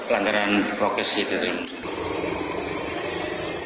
langgaran vokasi tersebut